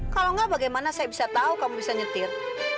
kalau enggak bagaimana saya bisa tahu kamu bisa nyetir